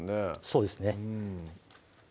そうですね